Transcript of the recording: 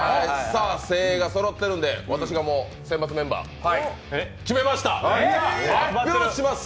精鋭がそろってるんで、私が選抜メンバー、決めました、発表します。